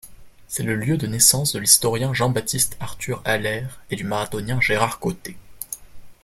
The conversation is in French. C'est le lieu de naissance de l'historien Jean-Baptiste-Arthur Allaire et du marathonien Gérard Côté.